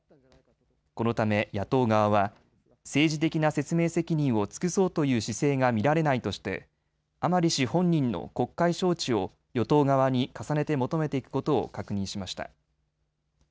このため野党側は政治的な説明責任を尽くそうという姿勢が見られないとして甘利氏本人の国会招致を与党側に重ねて求めていくことを確認しました。